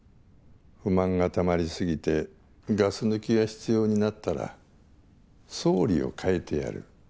不満がたまり過ぎてガス抜きが必要になったら総理を替えてやる。